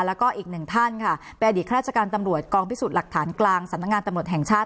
แล้วก็อีกหนึ่งท่านค่ะเป็นอดีตราชการตำรวจกองพิสูจน์หลักฐานกลางสำนักงานตำรวจแห่งชาติ